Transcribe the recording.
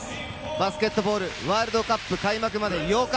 バスケットボールワールドカップ開幕まで８日。